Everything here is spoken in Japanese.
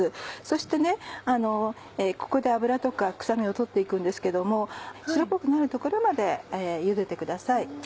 そしてここで脂とか臭みを取って行くんですけど白っぽくなるところまでゆでてください。